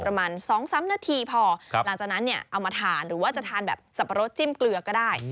ประมาณ๒๓นาทีพอหลังจากนั้นเนี่ยเอามาทานหรือว่าจะทานแบบสับปะรดจิ้มเกลือก็ได้